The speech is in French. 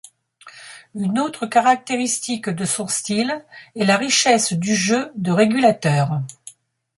Une autre caractéristique de son style est la richesse du jeu de régulateurs.